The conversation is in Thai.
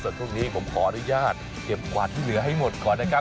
ส่วนช่วงนี้ผมขออนุญาตเก็บกวาดที่เหลือให้หมดก่อนนะครับ